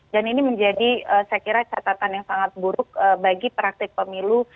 dan ini menjadi saya kira catatan yang sangat buruk bagi praktik pemilu